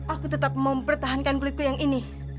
aku tetap mempertahankan kulitku yang ini